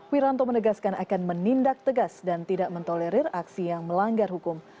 wiranto menegaskan akan menindak tegas dan tidak mentolerir aksi yang melanggar hukum